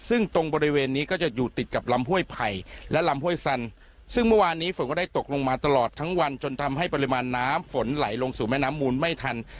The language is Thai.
ซึ่งตรงบริเวณนี้ก็จะอยู่ติดกับลำห้วยไผ่และลำห้วยสันซึ่งเมื่อวานนี้ฝนก็ได้ตกลงมาตลอดทั้งวันจนทำให้ปริมาณน้ำฝนไหลลงสู่แม่น้ำมูลไม่ทัน